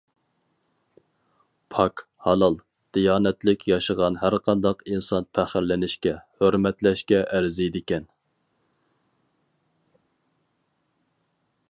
پاك، ھالال، دىيانەتلىك ياشىغان ھەرقانداق ئىنسان پەخىرلىنىشكە، ھۆرمەتلەشكە ئەرزىيدىكەن.